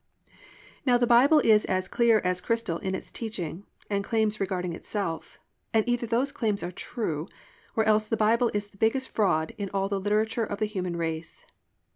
Now the Bible is as clear as crystal in its teachings and claims regarding itself, and either those claims are true, or else the Bible is the biggest fraud in all the literature of the human race.